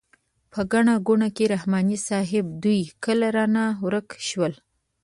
په ګڼه ګوڼه کې رحماني صیب دوی کله رانه ورک شول.